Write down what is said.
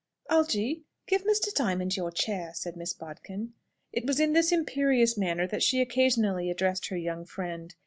"Algy, give Mr. Diamond your chair," said Miss Bodkin. It was in this imperious manner that she occasionally addressed her young friend.